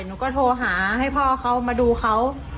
หนูก็โทรหาให้พ่อเขามาดูเขา